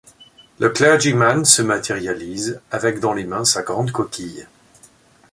Le clergyman se matérialise, avec dans les mains sa grande coquille.